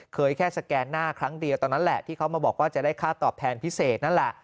แค่สแกนหน้าครั้งเดียวตอนนั้นแหละที่เขามาบอกว่าจะได้ค่าตอบแทนพิเศษนั่นแหละ